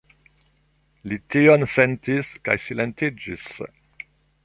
Li tion sentis kaj silentiĝis.